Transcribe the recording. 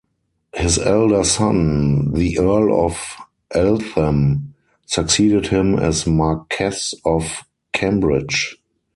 His elder son, the Earl of Eltham, succeeded him as Marquess of Cambridge.